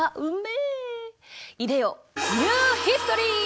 いでよニューヒストリー！